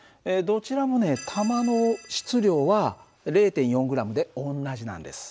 どちらもね弾の質量は０．４ｇで同じなんです。